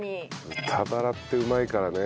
豚バラってうまいからね。